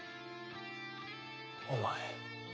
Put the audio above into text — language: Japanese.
お前。